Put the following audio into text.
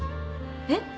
えっ？